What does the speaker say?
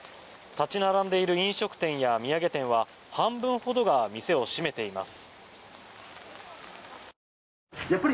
立ち並んでいる飲食店や土産店は半分ほどが店を閉めています。